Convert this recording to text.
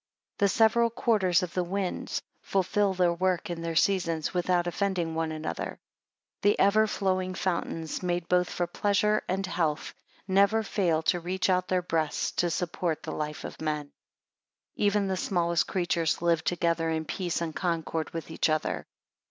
14 The several quarters of the winds fulfil their work in their seasons, without offending one another. 15 The ever flowing fountains, made both for pleasure and health, never fail to reach out their breasts to support the life of men. 16 Even the smallest creatures live together in peace and concord with each other.